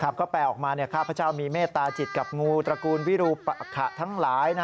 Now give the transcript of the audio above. ก็แปลออกมาข้าพเจ้ามีเมตตาจิตกับงูตระกูลวิรูปขะทั้งหลาย